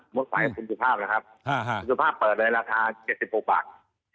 หมดฝ่ายคุณสุภาพนะครับคุณสุภาพเปิดเลยราคา๗๐บาท